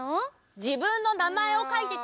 じぶんのなまえをかいてたんだ。